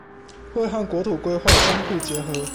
會和國土規劃相互結合